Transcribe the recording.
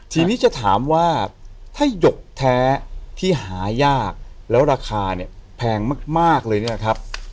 ทีนี้จะถามว่าถ้าหยกแท้ที่หายากแล้วราคาเนี่ยแพงมากเลยเนี่ยนะครับ